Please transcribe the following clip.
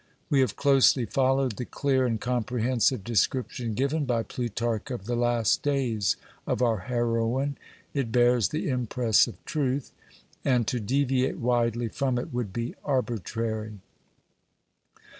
We have closely followed the clear and comprehensive description given by Plutarch of the last days of our heroine. It bears the impress of truth, and to deviate widely from it would be arbitrary.